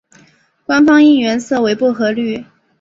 官方应援色为薄荷绿。